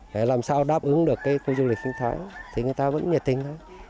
để làm sao đáp ứng được cái khu du lịch khinh thái thì người ta vẫn nhiệt tình